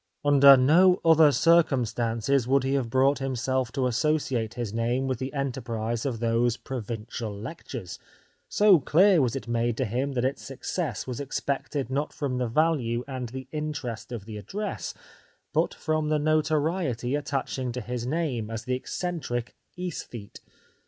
Under no other circumstances would he have brought himself to associate his name with the enterprise of those provincial lectures, so clear was it made to him that its success was expected not from the value and the interest of the address, but from the notoriety attaching to his name as the eccentric " aesthete."